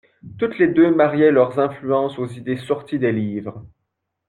Toutes deux mariaient leurs influences aux idées sorties des livres.